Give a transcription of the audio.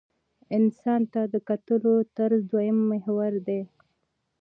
انسان ته د کتلو طرز دویم محور دی.